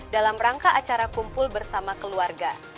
dalam rangka acara kumpul bersama keluarga